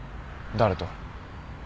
誰と？